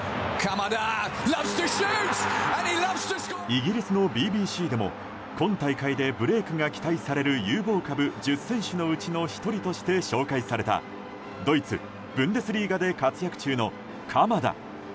イギリスのＢＢＣでも今大会でブレークが期待される有望株１０選手のうちの１人として紹介されたドイツ・ブンデスリーガで活躍中の鎌田。